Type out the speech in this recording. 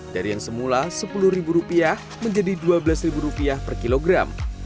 dari yang semula rp sepuluh menjadi rp dua belas per kilogram